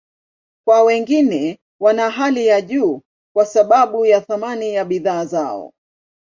Kwa wengine, wana hali ya juu kwa sababu ya thamani ya bidhaa zao.